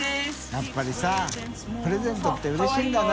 笋辰僂蠅プレゼントってうれしいんだな。